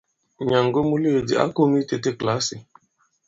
Nyàŋgo muleèdì ǎ koŋ itētē kìlasì.